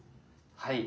はい。